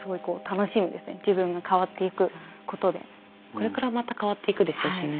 これからまた変わっていくでしょうしね。